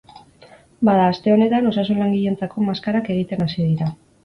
Bada, aste honetan osasun langileentzako maskarak egiten hasi dira.